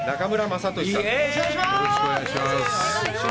よろしくお願いします。